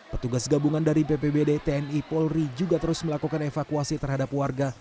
petugas gabungan dari bpbd tni polri juga terus melakukan evakuasi terhadap warga